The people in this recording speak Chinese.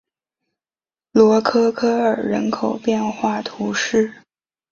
罗科科尔人口变化图示